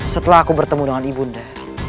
setelah aku bertemu dengan ibu nda